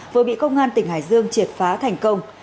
vừa bị công an tỉnh hải dương triệt phá thành công